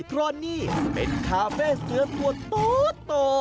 เพราะนี่เป็นคาเฟ่เสือตัวโต